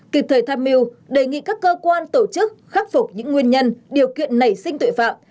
kịp thời tham mưu đề nghị các cơ quan tổ chức khắc phục những nguyên nhân điều kiện nảy sinh tội phạm